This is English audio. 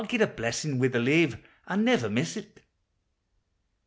351 I '11 get a blessin' wi' the lave, And never miss 't!